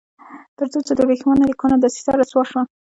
تر څو چې د ورېښمینو لیکونو دسیسه رسوا شوه.